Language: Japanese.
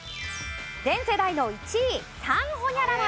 全世代の１位サンホニャララ。